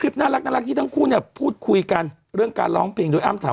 รึงบอกว่าอะไรนะจริงจริงควรเป็นนักรองใช่ไหม